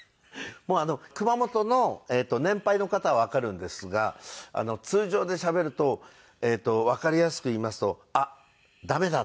もう熊本の年配の方はわかるんですが通常でしゃべるとわかりやすく言いますとあっ駄目だ。